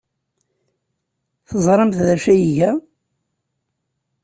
Teẓramt d acu ay iga?